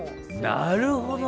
なるほど！